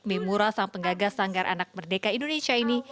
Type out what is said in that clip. memura sang penggaga sanggar anak merdeka indonesia ini